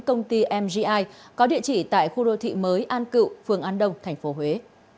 công ty mgi có địa chỉ tại khu đô thị mới an cựu phường an đông thành phố huế